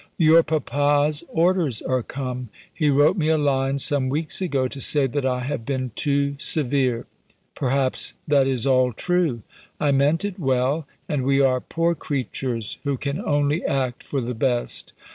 "Your papa's orders are come. He wrote me a line some weeks ago, to say that I have been too severe. Perhaps that is all true. I meant it well, and we are poor creatures, who can only act for the best.